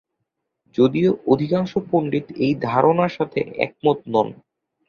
যদিও অধিকাংশ পণ্ডিত এই ধারণার সাথে একমত নন।